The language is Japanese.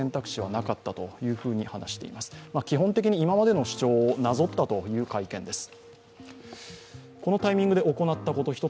基本的に今までの主張をなぞったという会見です。